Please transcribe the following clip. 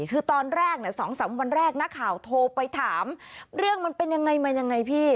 คือตอนแรก๒๓วันแรกนักข่าวโทรไปถามเรื่องมันเป็นยังไงมันยังไงพี่